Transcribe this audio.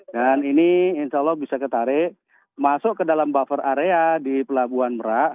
dan ini insya allah bisa ketarik masuk ke dalam buffer area di pelabuhan merak